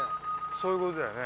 そういうことだよね？